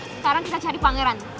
sekarang kita cari pangeran